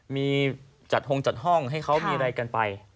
มีจัดหงจัดห้องให้เขามีอะไรกันไป